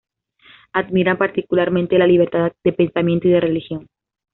Admiran particularmente la libertad de pensamiento y de religión.